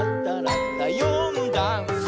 「よんだんす」